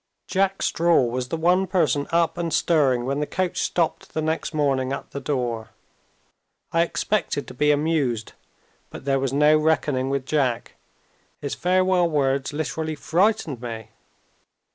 Jack Straw was the one person up and stirring when the coach stopped the next morning at the door. I expected to be amused but there was no reckoning with Jack. His farewell words literally frightened me.